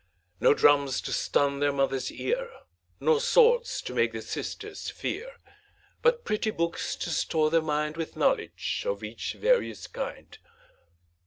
No drums to stun their Mother's ear, Nor swords to make their sisters fear; But pretty books to store their mind With knowledge of each various kind.